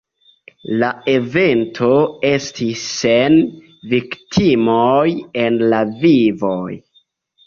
La evento estis sen viktimoj en la vivoj.